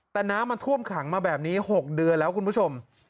แต่น้ำมันท่วมขังมาแบบนี้๖เดือนแล้วคุณผู้ชม